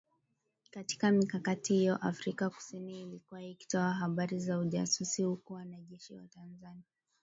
Katika mikakati hiyo Afrika kusini ilikuwa ikitoa habari za ujasusi huku wanajeshi wa Tanzania